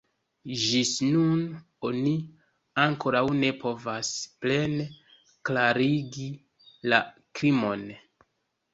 Ĝis nun oni ankoraŭ ne povas plene klarigi la krimon.